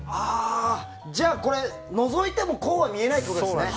じゃあ、これのぞいてもこうは見えないってことですね。